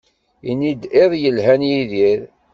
Ini-d iḍ yelhan a Yidir.